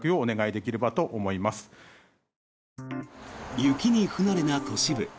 雪に不慣れな都市部。